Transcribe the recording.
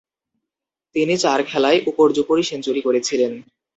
তিনি চার খেলায় উপর্যুপরি সেঞ্চুরি করেছিলেন।